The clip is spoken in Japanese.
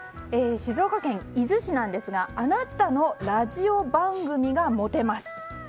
静岡県伊豆市ですがあなたのラジオ番組持てます。